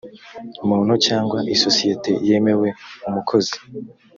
muntu cg isosiyete yemewe umukozi